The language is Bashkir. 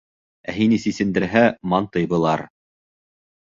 Ә һине сисендерһә, мантый былар.